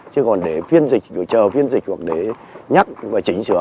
chứ còn để phiên dịch rồi chờ phiên dịch hoặc để nhắc và chỉnh sửa